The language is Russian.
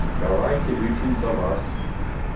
Давайте выпьем за Вас.